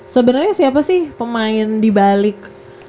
sebenarnya siapa sih pemain dibalik